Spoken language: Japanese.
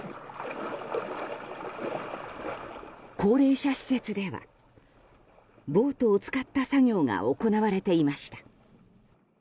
高齢者施設ではボートを使った作業が行われていました。